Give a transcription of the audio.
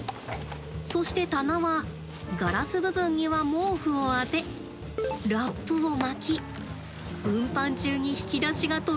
そして棚はガラス部分には毛布をあてラップを巻き運搬中に引き出しが飛び出ないようにして。